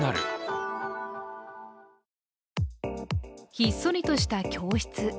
ひっそりとした教室。